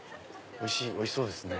おいしそうですね。